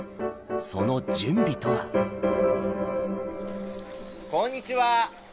その準備とはこんにちは！